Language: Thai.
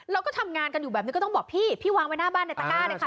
แล้วก็ทำงานกันอยู่แบบนี้ก็ต้องบอกพี่พี่วางไว้หน้าบ้านในตะก้าเลยค่ะ